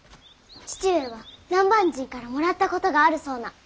父上は南蛮人からもらったことがあるそうな。